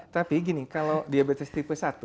tapi gini kalau diabetes tipe satu